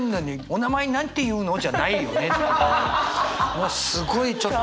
もうすごいちょっと。